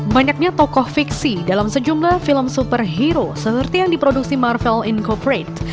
banyaknya tokoh fiksi dalam sejumlah film superhero seperti yang diproduksi marvel incorprate